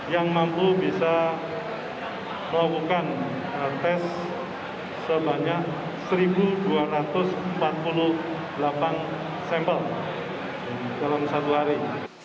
yang mampu bisa melakukan tes sebanyak satu dua ratus empat puluh delapan sampel dalam satu hari